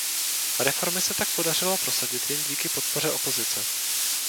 Reformy se tak podařilo prosadit jen díky podpoře opozice.